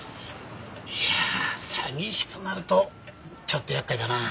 いやあ詐欺師となるとちょっと厄介だな。